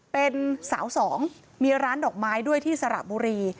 เป็นสาวสองมีร้านดอกไม้ด้วยที่สระบุรี